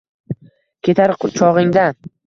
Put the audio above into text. Ketar chog’ingda